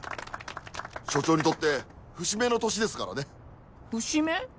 署長にとって節目の年ですからね。節目？